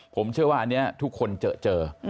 ผมเชื่อว่าอันนี้ทุกคนเจอ